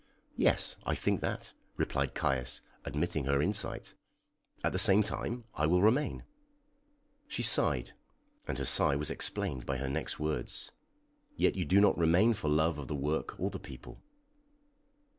"Yes, I think that," replied Caius, admitting her insight. "At the same time, I will remain." She sighed, and her sigh was explained by her next words: "Yet you do not remain for love of the work or the people."